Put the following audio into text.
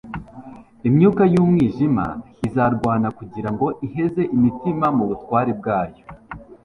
Imyuka y'umwijima izarwana kugira ngo iheze imitima mu butware bwayo;